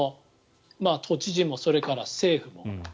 都知事もそれから政府も。